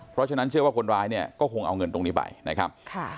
เพราะฉะนั้นเชื่อว่าคนร้ายเนี่ยก็คงเอาเงินตรงนี้ไปนะครับ